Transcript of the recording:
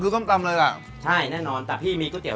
คือส้มตำเลยแหละใช่แน่นอนแต่พี่มีคุ้กเตี๋ยว